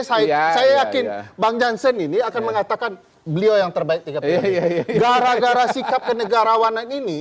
saya yakin bang jansen ini akan mengatakan beliau yang terbaik tiga periode gara gara sikap kenegarawanan ini